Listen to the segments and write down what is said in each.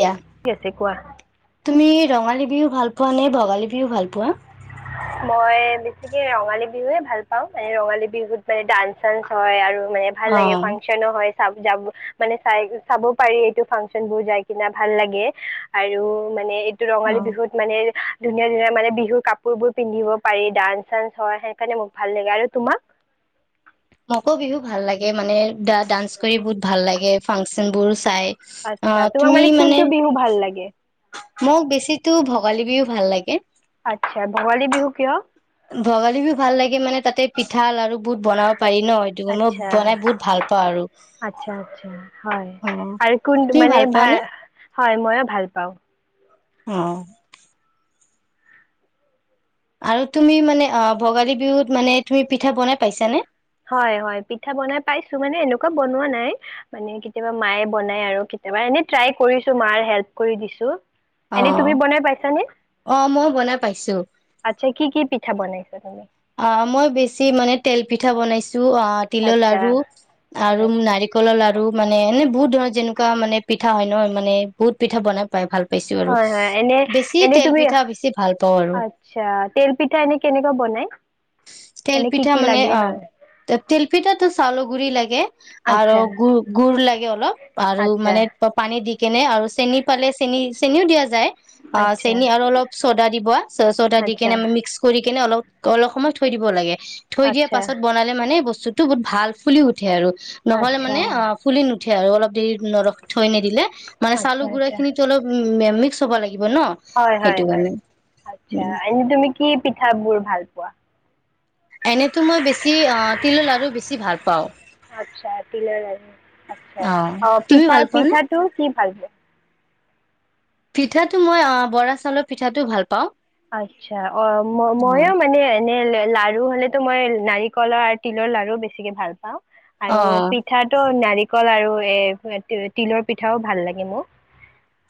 দিয়া ক [unintelligible] কোৱা তুমি ৰঙালী বিহু ভাল পোৱা নে ভগালী বিহু ভাল পোৱা মই বেছিকে ৰঙালী বিহুয়ে ভাল পাও ম ৰঙালী বিহুত মানে ডাঞ্চ চাঞ্চ হয় আৰু মানে ভাল লাগে অ', ফাংচনো হয় যাব মানে চাই চাব পাৰি এইটো ফাংচন বোৰ যাই কিনা ভাল লাগে আৰু মানে টো ৰঙালী অ'। বিহুত মানে ধুনীয়া ধুনীয়া মানে বিহুৰ কাপোৰ কাপোৰবোৰ পিন্ধিব পাৰি ডান্স চান্স হয় সেইকাৰণে মোক ভাল লাগে আৰু তোমাক মোকো বিহু ভাল লাগে মানে দা ডান্স কৰি বহুত ভাল লাগে ফাংচন বোৰ চাই অ আচ্ছা তোমাক তুমি মানে কোনটো বিহু ভাল লাগে মোক বেছি তো ভোগালী বিহু ভাল লাগে আচ্ছা ভৱালী বিহু কিয় ভগালী বিহু ভাল লাগে মানে তাতে পিঠা লাৰ়ু বহুত বনাওঁ পাৰি ন সেইটো আচ্ছা মই বনাই বহুত ভাল পাও আৰু আচ্ছা আচ্ছা হয় অ আৰু কোন তুমি মানে ভাল ভা পোৱাানে হয় মইয়ো ভাল পাওঁ অ আৰু তুমি মানে অ ভোগালী বিহুত মানে তুমি পিঠা বনাই পাইছানে হয় হয় পিঠা বনাই পাইছো মানে এনেকোৱা বনোৱা নাই মানে কেতিয়াবা মাই বনাই আৰু কেতিয়াবা এনে ট্ৰাই কৰিছো মাৰ হেল্প কৰি দিছো এনে তুমি অ'। বনাই পাইছানে অ মই বনাই পাইছো আচ্ছা কি কি পিঠা বনাইছা তুমি অ মই বেছি মানে তেল পিঠা বনাইছো অ তিলৰ আচ্ছা লাৰু আৰু হয় নাৰিকলৰ লাৰু মানে এনে বহুত যেনেকোৱা মানে পিঠা হয় ন মানে বহুত পিঠা বনাই পাই ভাল পাইছো আৰু হয় হয় এনে এনে বেছি এনেই তেল তুমি পিঠা বেছি ভাল পাওঁ আৰু আচ্ছা তেল পিঠা এনে কেনেকোৱা বনাই এনে কি তেলপিঠা কি মানে লাগে অ হয় তেলপিঠাটো চ আলু গুৰি লাগে আৰু আচ্ছা গু গু়ড় লাগে অলপ আৰু আচ্ছা মানে পানী দি কেনে আৰু চেনি পালে চেনি চেনিও দিয়া যায় অ আচ্ছা চেনি আৰু অলপ চডা দিব চ চৌদা দি কিনে আচ্ছা আমি মিক্স কৰি কিনে অলপ অলপ সময় থৈ দিব লাগে থৈ দিয়া আচ্ছা পাছত বনালে মানে বস্তু বস্তুতটো বহুত ভাল ফুলি উঠে আৰু নহ'লে আচ্ছা মানে অ ফুলি নুঠে আৰু অলপ দেৰি নৰক থৈ নিদিলে মানে আচ্ছা চাউলৰ গুড়া আচ্ছা খিনিটো অলপ মে মিক্স হ'ব লাগে হয় হয় হয় আচ্ছা উম এনে তুমি কি পিঠাবোৰ ভাল পোৱা এনেতো মই বেছি তিলৰ লাৰ়ু বেছি ভাল পাওঁ। আচ্ছা তিলৰ লাড়ু আচ্ছা অ, তুমি ভাল পিঠা- পোৱা নে? পিঠাটো কি ভাল? পিঠাটো মই অ', বৰা-চাউলৰ পিঠাটো ভাল পাওঁ। আচ্ছা অ', ময় মানে এনে লাৰু হ'লেতো মই নাৰিকলৰ আৰু তিলৰ লাৰুও বেছিকে ভাল পাওঁ। অ আৰু পিঠাটো নাৰিকল, অকল লাৰু এ, তিলৰ পিঠাও ভাল লাগে মোক।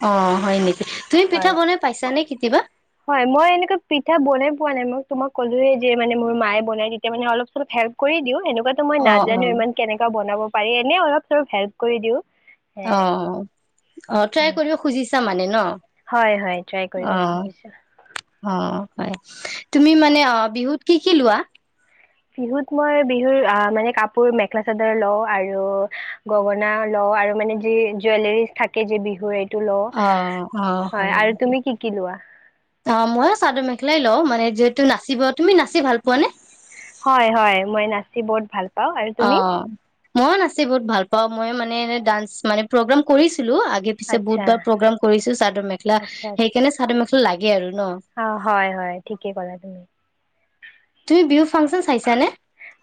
অ, হয় নেকি তুমি পিঠা হয় বনাই পাইছা নে? কেতি, কিবা, হয় মই এনেকুৱা পিঠা বনাই পোৱা নাই। মই তোমাক ক'লোয়ে যে মানে মোৰ মায়ে বনাই তেতিয়া মানে অলপ চলপ হেল্প কৰি দিওঁ। সেনে, - কিবাতো মই অ অ নাজানো ইমান কেনেকা বনাব, পাৰি এনে অলপ- চলপ হেল্প কৰি দিও। অ', - অ', ট্ৰাই কৰিব খুজিছো। তাৰমানে ন? হয়- হয় ট্ৰাই অ কৰিব খুজিছো। অ হয় তুমি মানে অ', বিহুত কি কি লোৱা? বিহুত মই বিহুৰ আহ মানে কাপোৰ মেখেলা- -চাদৰ লওঁ আৰু গগনা লও আৰু মানে যি জুৱেলেৰিজ থাকে যি বিহুৰ, - অ -অ হয় নেকি? কি কি লোৱা? অ, ময়ো চাদৰ - মেখে, এখলাই লও মানে যিহেতু নাচিব, তুমি নাচি ভাল পোৱা নে? হয়- হয় মই নাচি বহুত ভাল, পাওঁ আৰু তুমি? মইয়ো নাচি বহুত ভাল পাও। মই মানে এনে ডান্স মানে প্ৰগ্ৰাম কৰিছো। ছিলো আগে- পিছে আচ্ছা বহুতবাৰ প্ৰগ্ৰাম কৰিছো চাদৰ -মেখালা আচ্ছা আচ্ছা সেইকাৰণে চাদৰ মেখেলা, লাগে আৰু। ন অ, '- হয়- হয় ঠিকেই ক'লা তুমি। তুমি, বিহু ফাংচন চাইছানে?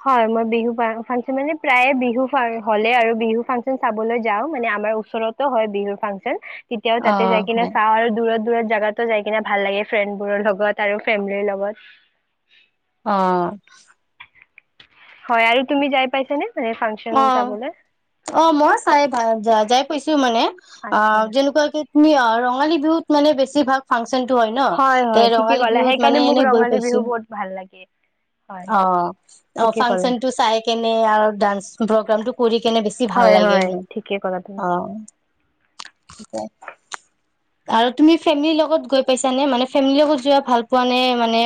হয় মই বিহু ফাংচন মানে প্ৰায়ে বিহু হ'লে আৰু বিহু- ফাংচন চাবলৈ যাওঁ, মানে আমাৰ ওচৰতো হয় বিহুৰ ফাংচন। তেতিয়াও অ তাতে যায় কিনে হয় চাঁও আৰু দূৰত- -দূৰত জাগাত। ত ', যাই কিনে ভাল লাগে। ফ্ৰেণ্ডবোৰৰ লগত, আৰু ফেমিলিৰ লগত। অহ, হয়, আৰু তুমি যা‌য় পাইছানে? মানে ফাংচন চাবলৈ অ-অ, মই চাই ভাল হৈ যায় - যাই -যায়, কৈছো মানে, অ, আচ্ছা যেনেকুৱা কি, - তুমি ৰঙালী বিহুত মানে বেছি ভাগ ফাং ফাংচন টো হৈ ন, হয় তে হয় ঠিকে ৰঙালী ক'লা বিহুত মানে সেইকাৰণে মোক এনে গৈ ৰঙালী বিহু পাইছোঁ, বহুত ভাল লাগে হয় অ, এই ঠিকে ক'লা ফাংচনটো চাই কেনে আৰু ডান্স প্ৰগ্ৰামটো কৰি কেনে বেছি ভাল হয় লাগে হয় ঠিকে ক'লা তুমি অ আৰু তুমি ফেমিলি লগত গৈ পাইছা নে? মানে ফেমিলি লগত যোৱা ভাল পোৱা নে, মানে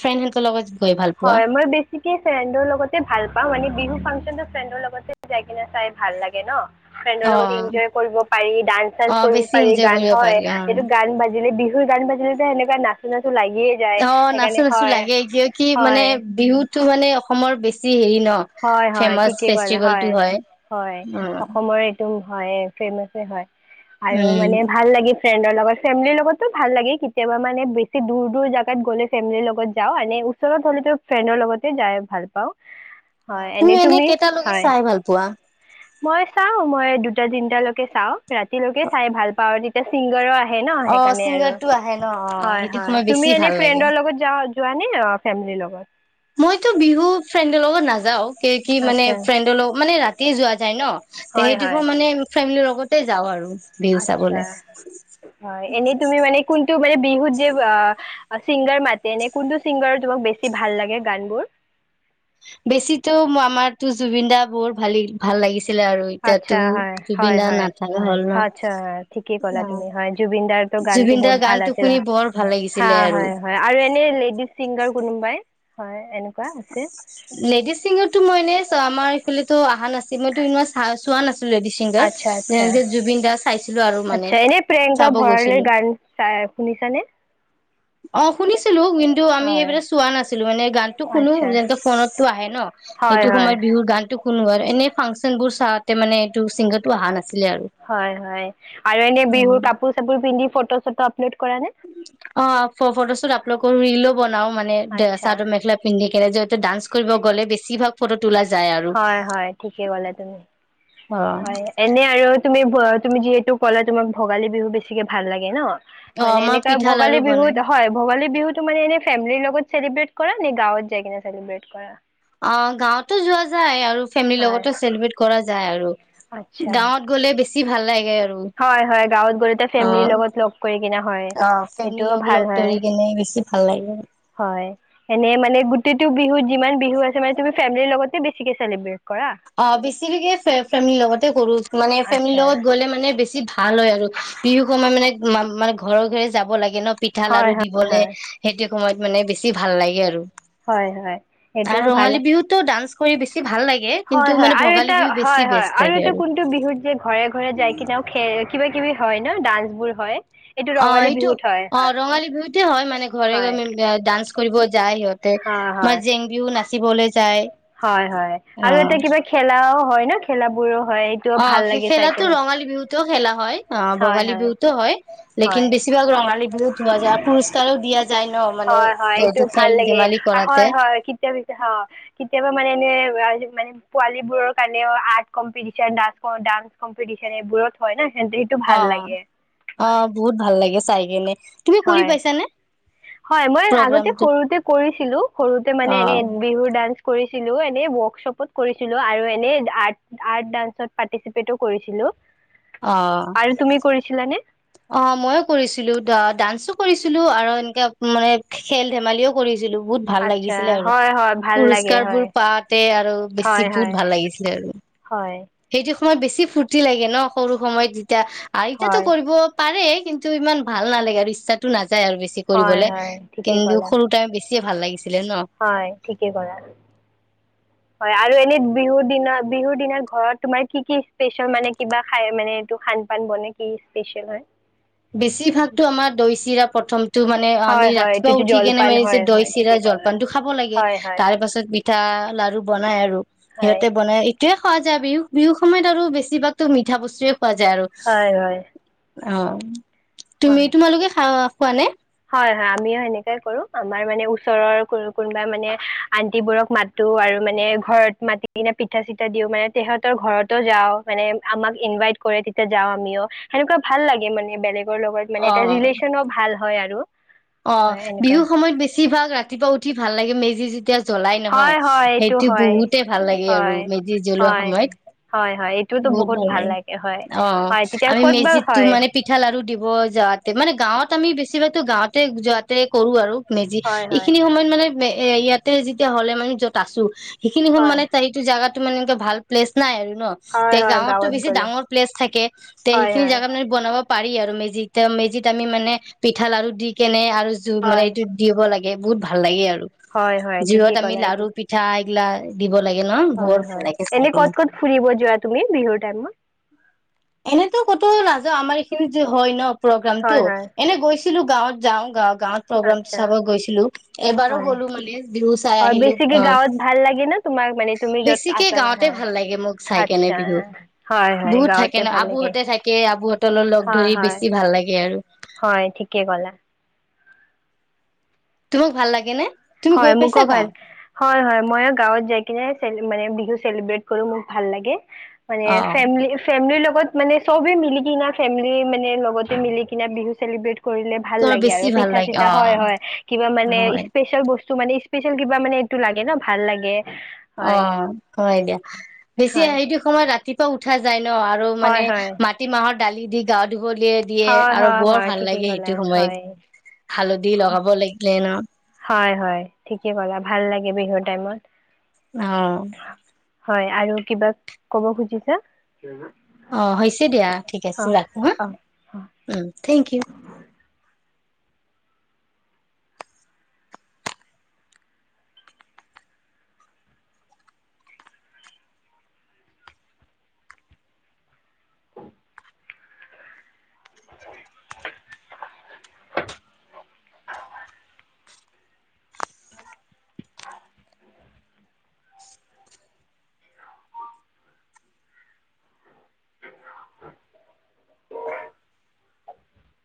ফ্ৰেণ্ড সেতৰ লগত গৈ ভাল পোৱা হয়, মই বেছিকে ফ্ৰেণ্ডৰ লগতে ভাল পাওঁ, মানে বিহু ফাং ন্ ফ্ৰেণ্ডৰ লগতে যাই কিনে চাই ভাল লাগে ন। ফ্ৰেণ্ডৰ অ লগত এনজয় কৰিব পাৰি, ডান্স চান্স অ কৰিব বেছি পাৰি, এনজয় গান কৰিব হয় পাৰি অ এইটো গান বাজিলে বিহু বিহুত গান বাজিলে তু এনেকে নাচি নাচি লাগিয়ে যায়, অ নাচো সেইকাৰণে নাচো হয়। লাগে কিয় কি মানে হয় বিহুটো মানে অসমৰ বেছি বেছি হেই হয়, হয়, ঠিকে কলা, হয়, হয়, অ অসমৰে একদম হয়ে, ফেমাচে হয়। আৰু উম মানে ভাল লাগি ফ্ৰেণ্ডৰ লগত ফেমিলিৰ লগতো ভাল লাগে, কেতিয়াবা মানে বেছি দূৰ দূৰ জেগাত গ'লে ফেমিলিৰ লগত যাওঁ, ম ওচৰত গলেতো ফ্ৰেণ্ডৰ লগতে যাই ভাল পাওঁ। অ, হয় তুমি এনেই এনে কেইটা লৈকে হয় চাই ভাল পোৱা? মই চাওঁ, মই দুটা তিনিটালৈকে চাওঁ, ৰাতিলৈকে চাই ভাল পাওঁ, আৰু তেতিয়া ছিংগাৰো আহে। ন অ সেইকাৰনে আৰু‌ ছিংগাৰটো আহে ন অ হয়, সেইটো সময় হয়, বেছি তুমি এনে ভাল লাগে ফ্ৰেণ্ডৰ লগত জাঅ যোৱা নে ফেমিলি লগত? মইতো বিহু ফ্ৰেণ্ডৰ লগত নাযাও। কি মানে আচ্ছা ফ্ৰেণ্ডৰ লগত মানে ৰাতিয়ে যোৱা যায় ন হয় সেইদিখ, মানে ফ্ৰেমিলিৰ লগত। তাতে যাওঁ আৰু। বিহু চাবলে আতছা, হয়, এনেই তুমি মানে কোন? টো মানে, বিহুত যে আ চিংগাৰ মাতে এনে কোনটো ছিংগাৰৰ তোমাক বেছি ভাল লাগে গান বোৰ? বেছিতো, আমাৰ তোৰ জুবিন দা বৰ ভালে, ভাল লাগিছে আচ্ছা, হয়, হয়, হয় নাথাকা হ'ল ন আচ্ছা, হয় ঠিকে কলা অ তুমি হয় জুবিন দাৰ টো গানটো জুবিন বহুত দাৰ ভাল গানটো আছিল, শুনি বৰ ভাল লাগিছিলে আৰু হয়, হয় আৰু এনে লেডিজ চিংগাৰ কোনোবাই? হয় এনেকুৱা আছে! লেডিচ চিংগাৰতো, মই এনেচ আমাৰ এইফালে টো অহা নাছিল মইতো ইমা [unintelligible] চোৱা নাছিলো লেডিজ আচ্ছা, আচ্ছা, চিংগাৰ জুবিন দা চা [unintelligible] আচ্ছা, এনে প্ৰিয়ংকা ভৰালীৰ গান চা শুনিছানে? অ শুনিছিলো, কিন্তু আমি হয়, এইবিলাক চোৱা নাছিলো। মানে গানতো শুনো, আচ্ছা, যেনেকে ফোনত টো আহে ন, হয়, সেইটো হয়, সময়ত বিহুৰ গানটো কোনবৰ এনে ফাংচন বোৰ চাওঁতে মানে এইটো চিংগাৰটো অহা নাই। হয়, হয় আৰু এনে বিহুৰ কাপোৰ চাপোৰ পিন্ধি ফটো' চটো আপলোড কৰা নে? অ' ফ্-ফটো শ্বুট আপলোড কৰো, ৰিলো বনাও মানে আচ্ছা। চাদৰ মেখেলা পিন্ধি। এনে জতটত ডান্স কৰিব গ'লে, বেছি ভাগ ফটোত হয়, হয় ঠিকে কলে তুমি। অ হয় এনে আৰু। তুমি, তুমি যিহেতু ক'লা তোমাৰ ভগালী বিহু বেছিকে ভাল লাগে ন? অ মানে আমাৰ এনেকা পিঠা লাৰু ভোগালী বনাই বিহুত, হয় ভোগালী বিহুত। মানে এনে ফেমিলিৰ লগত চলিব্ৰেট কৰা নে? গাঁৱত যাই কিনে চেলিব্ৰেট কৰা? অঁ গাঁৱত। টো যোৱা যায় আৰু ফেমিলিৰ হয় লগতো চেলিব্ৰেট কৰা যায় আৰু। আচ্ছা গাঁৱত গ'লে বেছি যি ভাল লাগে আৰু। হয় হয়। গাঁৱত গলে এতে অ ফেমিলিৰ লগত লগ কৰি কিনে হয়। অ সেইটো ফেমিলি লগ ভাল লগ হয়। ধৰি কেনে বেছি ভাল লাগে হয়, এনে মানে। [unintelligible] প্ৰতিটো বিহু, যিমান বিহু আছে মানে তুমি ফেমিলিৰ লগতে বেছিকে চেলিব্ৰেট কৰা অ' বেছিকে ফে-ফেমেলিৰ লগতে কৰোঁ। মানে ফেমিলিৰ আচ্ছা লগত গ'লে মানে বেছি ভাল হয় আৰু, বিহু সময়ত মানে মা-মানে ঘৰে-ঘৰে যাব লাগে। দিনত পিঠা হয় লাৰো হয় দিবলে, হয় সেইটো সময়ত মানে বেছি। বেছি ভাল লাগে আৰু। হয় হয়। আৰু সেইটোও ভাল ৰঙালী বিহুতো ডান্স, কৰি বেছি ভাল লাগে। কিন্তু হয়, হয়, মানে আৰু ভোগালী এটা বিহু বেছি হয়, হয় বেষ্ট আৰু লাগে এটা কোনটো বিহুত যে ঘৰে ঘৰে যাই কিনেও খে কিবা কিবি হয় ন ডান্স বোৰ হয় এইটো অঁ ৰঙালী এইটো বিহুত হয় অঁ হয় ৰঙালী বিহুতে হয় মানে ঘৰে ঘ হয় ডান্স কৰিব যায় সিহঁতে হয় মাৰ হয় জেং বিহু নাচিবলৈ যায়। হয় হয় আৰু এটা অ কিবা খেলাও হয় ন খেলাবোৰো হয় সেইটোও অঁ ভাল সেই লাগে চাই খেলাটো কিনে ৰঙালী বিহুতও খেলা হয়। অঁ ভোগালী বিহুতো হয় হয় লেকিন বেছিভাগ ৰঙালী বিহুত ধোৱা যায় পুৰস্কাৰও দিয়া যায়। ন মানে হয় হয় এইটো ভাল খেল লাগে। ধেমালি কৰাতে হয় হয় কেতিয়া হ কেতিয়াবা মানে মানে পোৱালী বোৰৰ কাৰণেও আৰ্ট কম্পিটিচন ডান্স ক' ডান্স কম্পিটিচন এইবোৰত হয় না। অ অ বহুত ভাল লাগে চাই কেনে। তুমি কৰি হয় পাইছানে? হয় মই আগতে প্ৰগ্ৰামটো সৰুতে কৰিছিলোঁ সৰুতে অ মানে এনে বিহুৰ ডান্স কৰিছিলোঁ এনে ৱৰ্কশ্বপত কৰিছিলোঁ আৰু এনে আৰ্ট আৰ্ট ডান্সত পাৰ্টিচিপেটো কৰিছিলোঁ। অ আৰু তুমি কৰিছিলানে? অ ময়ো কৰিছিলোঁ ডা ডান্সো কৰিছিলোঁ আৰু এনেকে মানে খেল ধেমালিও কৰিছিলোঁ। বহুত ভাল আচ্ছা লাগিছিলে আৰু হয় হয় ভাল লাগে পুৰস্কাৰবোৰ হয় পাওঁতে আৰু বেছি হয় বহুত হয় ভাল লাগিছিলে আৰু। হয় সেইটো সময়ত বেছি ফূৰ্তি লাগে ন' সৰু সময়ত যে যেতিয়া আৰু এতিয়াটো হয় কৰিব পাৰে কিন টো ইমান ভাল নালাগে আৰু ইচ্ছাটো না নাযায় আৰু বেছি হয় কৰিবলে। হয় ঠিকে কিন্তু ক'লা সৰু টাইমত বেছি য়ে ভাল লাগিছি হয় ঠিকে ক'লা। হয় আৰু এনে বিহুৰ দিনা বিহুৰ দিনা ঘৰত তোমাৰ কি কি স্পেচিয়েল মানে কিবা খাই মানে এইটো খান পান বনে কি স্পেচিয়েল হয়। বেছিভাগতটো আমাৰ দৈ চিৰা প্ৰথম তটো মানে আমি হয় হয় ৰাতিপুৱা এইটোতো উঠি কেনে জলপান মাৰিছে হয় দৈ হয় ঠিকে চিৰা ক'লা জলপান টো খাব লাগে, হয় হয় তাৰ পাছত পিঠা লাৰু বনাই আৰু হয় সিহঁতে বনাই তয়ে খোৱা যায় বিহু বিহু সময়ত আৰু বেছিভাগতো মিঠা বস্তুে বজাৰো হয় হয় অঁ- তুমি হয় তোমালোকে খা কোৱা নে হয় হয় আমিও সেনেকাই কৰো আমাৰ মানে ওচৰৰ কোন কোনোবা মানে আন্টিবোৰক মাতো আৰু মানে ঘৰত মাতি কিনা পিঠা চিঠা দিও মানে তেহতৰ ঘৰতো যাও মানে আমাক ইনভাইট কৰে তেতিয়া যাও আমিও সেনেকুৱা ভাল লাগে মানে বেলেগ লগত মানে এটা ৰিলেশ্যন ভাল হয় আৰু হয় অঁ এনেকুৱা বিহুৰ সময়ত বেছি ভাগ ৰাতিপুৱা উ তি ভাল লাগে মেজি য এতিয়া জ্বলাই নহয় হয় হয় এইটো সেইটো হয় বহুতে ভাল লাগে, আৰু হয় মেজি জ্বলোৱা হয় সময়ত হয় হয় এইটোতো বহুত ভাল লাগে হয় অঁ হয় তেতিয়া আমি ক'ত বাৰু মেজিতো হয় মানে পিঠা লাৰু দিব যাতে মানে গাঁৱত ত আমি বেছি তো গা তে যাতে কৰো আৰু মেজি হয় হয় এইখিনি সময়ত মানে মে এ ইয়াতে যেতিয়া হ'লে মানে য'ত আছো সেইখিনি হন হয় মানে ত সেইটো জাগাত ত মান এনেকৈ ভাল প্লেছ নাই আৰু। ন হয় তে হয় গাঁৱতটো গাঁৱত বেছি গ'লে ডাঙৰ প্লেচ থাকে তে হয় সেইখিনি হয় জোগাত মানে বনাব পাৰি আৰু মেজিত মেজিত আমি মানে পিঠা লাডু দি কেনে আৰ আৰু জু মানে হয় এইটো দিব লাগে। এ বহুত ভাল লাগে আৰু। হয় হয় ঠিকে জিহত আমি ক'লা এইটো লাৰু পিঠা দিব [unintelligible] বৰ হয় ভাল হয় লাগে চাই এনে কেনে ক'ত ক'ত ফুৰিব যোৱা তুমি বিহুৰ টাইমত? এনেতো ক'তো নাযাও আমাৰ এইখিনিত যে হয় ন। প্ৰগ্ৰাম টো হয় হয় এনে গৈছিল ছিলো গাঁৱত যাওঁ গাও গাঁৱত প্ৰগ্ৰাম আচ্ছা চাব গৈছিলো এবাৰো হয় গলো মানে বিহু চাই হয় আহিলো বেছিকে গাঁৱত ভাল লাগে ন তোমাক মানে আহ তুমি য'ত বেছিকে আছা না গাঁওঁতে হয় ভাল লাগে মোক চাই কেনে আচ্ছা বিহু হয় হয় বিহুত থাকে গাঁৱতে ন ভাল লাগে আবুহতে থাকে আবুহতলৈ লগ হয় ধৰি হয় বেছি ভাল লাগে আৰু। হয় ঠিকে ক'লা তোমাক ভাল লাগে নে তুমি গৈ হয় মোকো পাইছা ভাল গাঁৱত হয় হয় মই গাঁৱত যাই কিনে মানে বিহু চেলিব্ৰেট কৰিও মোক ভাল লাগে। মানে অ ফেমিলি ফেমিলিৰ লগত কত মানে চবে মিলি কি ফেমি মানে লগতে মিলি কিনে বিহু চেলিব্ৰেট কৰিলে ভাল তোমাৰ লাগে বেছি আৰু ভাল পিঠা লাগে চিঠা অ হয় হয় কিবা মানে হয় ইস্পেচিয়েল বস্ত তো মানে স্পেচিয়েল কিবা মানে এইটো লাগে ন ভাল লাগে। অ হয় হয় দিয়া বেছি হয় হেটো সময়ত ৰাতি ব উঠা যায় ন আৰু হয় মানে হয় মাটি মাহত ডালি দি গাওঁ ধুহ [unintelligible] লিয়ে দিয়ে হয় আৰু হয় বৰ হয় ভাল ঠিকেই লাগে সেইটো ক'লা সময়ত হয় হালধি লগাব লাগিলে ন। [unintelligible] হয় হয় ঠিকে কলে ভাল লাগে বিহুৰ টাইমত। অ। হয় আৰু কিবা কব খুজিছা? অ হৈছে দিয়া ঠিক অ আছে ৰাখো হা অ অ উ থেংক ইউ [inaudible] [inaudible]